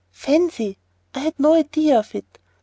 "Fancy! I had no idea of it.